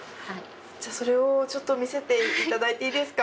じゃあそれを見せていただいていいですか？